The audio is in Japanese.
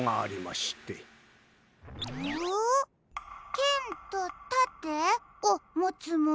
「けんとたてをもつもの